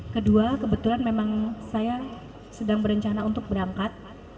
kedua kebetulan memang saya sedang berencana untuk berangkat